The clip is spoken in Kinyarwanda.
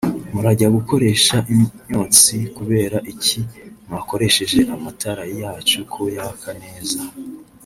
Murajya gukoresha imyotsi kubera iki mwakoresheje amatara yacu ko yaka neza